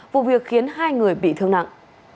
hai người bị thương nặng